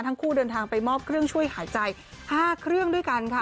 ทั้งคู่เดินทางไปมอบเครื่องช่วยหายใจ๕เครื่องด้วยกันค่ะ